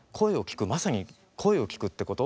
まさに声を聞くってこと。